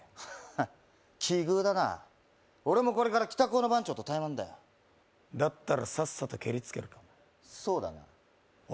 ハッ奇遇だな俺もこれから北高の番長とタイマンだよだったらさっさとケリつけるかそうだなお